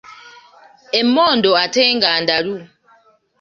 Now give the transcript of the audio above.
Emmondo ate nga ndalu .